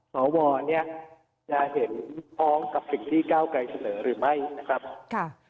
สวเนี่ยจะเห็นพ้องกับสิ่งที่ก้าวไกลเสนอหรือไม่นะครับค่ะ